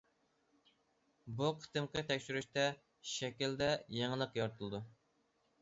بۇ قېتىمقى تەكشۈرۈشتە شەكىلدە يېڭىلىق يارىتىلىدۇ.